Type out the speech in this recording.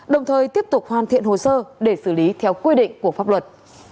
đồng thời tiếp tục hoàn thiện hồ sơ để xử lý theo quy định của pháp luật